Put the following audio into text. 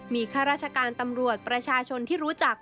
มีข้าราชการตำรวจประชาชนที่รู้จัก